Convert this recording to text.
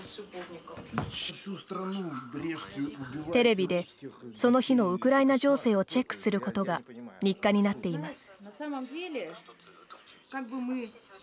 テレビで、その日のウクライナ情勢をチェックすることが日課になっています。